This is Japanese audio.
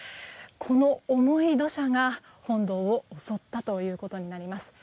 この重い土砂が本堂を襲ったということになります。